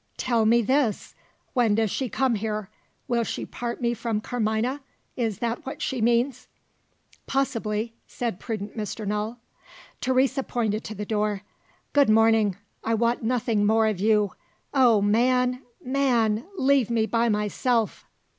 "Tell me this! When she does come here, will she part me from Carmina? Is that what she means?" "Possibly," said prudent Mr. Null. Teresa pointed to the door. "Good morning! I want nothing more of you. Oh, man, man, leave me by myself!"